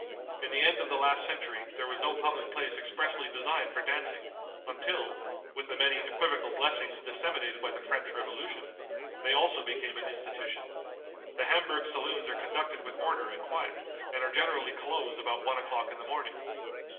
In the end of the last century there was no public place expressly designed for dancing, until, with the many equivocal blessings disseminated by the French Revolution, they also became an institution. The Hamburg saloons are conducted with order and quiet, and are generally closed about one o'clock in the morning.